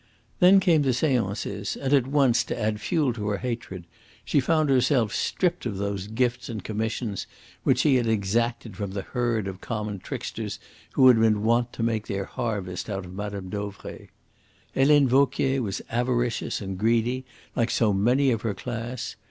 Then came the seances, and at once, to add fuel to her hatred, she found herself stripped of those gifts and commissions which she had exacted from the herd of common tricksters who had been wont to make their harvest out of Mme. Dauvray. Helene Vauquier was avaricious and greedy, like so many of her class.